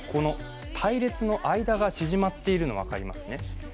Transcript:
隊列の間が縮まっているのが分かりますね。